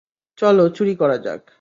চলো, চুরি করা যাক।